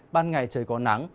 ban ngày trời có nắng